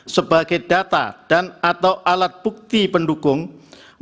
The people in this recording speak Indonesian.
sebagai data dan atau alat bukti pendukung